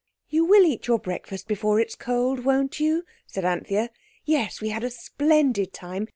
"You will eat your breakfast before it's cold, won't you?" said Anthea. "Yes, we had a splendid time.